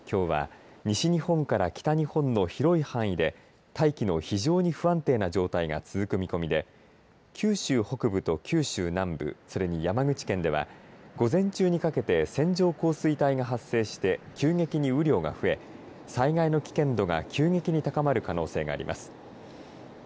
きょうは西日本から北日本の広い範囲で大気の非常に不安定な状態が続く見込みで九州北部と九州南部それに山口県では午前中にかけて線状降水帯が発生して急激に雨量が増え災害の危険度が急激に高まる可能性があります。